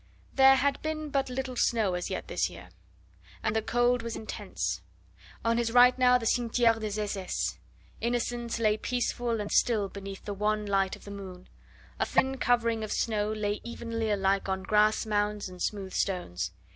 There, had been but little snow as yet this year, and the cold was intense. On his right now the Cimetiere des SS. Innocents lay peaceful and still beneath the wan light of the moon. A thin covering of snow lay evenly alike on grass mounds and smooth stones.